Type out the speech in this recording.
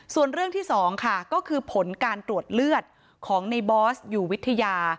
ส่วนเรื่องที่๒ค่ะก็คือผลการตรวจเลือดของในบอสอยู่วิทยา